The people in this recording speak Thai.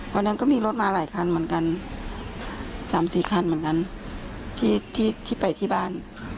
วันนั้นก็มีรถมาหลายคันเหมือนกันสามสี่คันเหมือนกัน